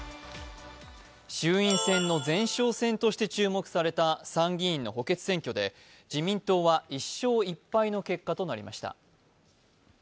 衆院選の前哨戦として注目された参議院の補欠選挙で、自民党は１勝１敗の結果となりました。